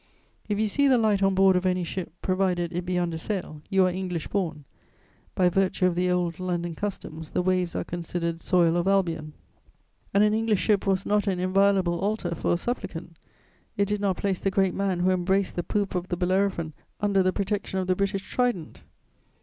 If you see the light on board of any ship, provided it be under sail, you are English born; by virtue of the old London customs, the waves are considered soil of Albion. And an English ship was not an inviolable altar for a supplicant, it did not place the great man who embraced the poop of the Bellerophon under the protection of the British trident!